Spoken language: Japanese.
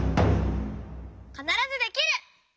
「かならずできる！」。